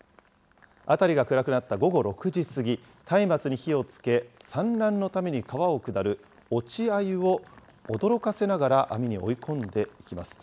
辺りが暗くなった午後６時過ぎ、たいまつに火をつけ、産卵のために川を下る落ちアユを驚かせながら網に追い込んでいきます。